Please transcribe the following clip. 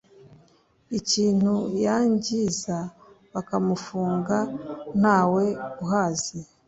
ikintu yangiza bakamufunga ntawe ahazi